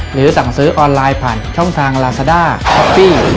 หรือสั่งซื้อออนไลน์ผ่านช่องทางลาซาด้าคอฟฟี่